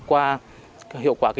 nó ché hết rồi